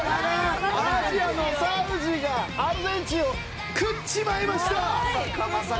アジアのサウジがアルゼンチンを食っちまいました！